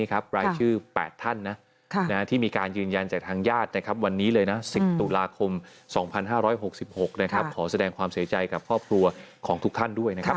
รายชื่อ๘ท่านที่มีการยืนยันจากทางญาติวันนี้เลยนะ๑๐ตุลาคม๒๕๖๖ขอแสดงความเสียใจกับครอบครัวของทุกท่านด้วยนะครับ